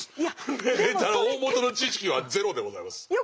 だから大本の知識はゼロでございます。